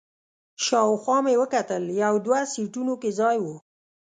شاوخوا مې وکتل، یو دوه سیټونو کې ځای و.